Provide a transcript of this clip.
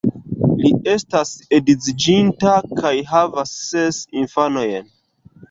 Li estas edziĝinta kaj havas ses infanojn.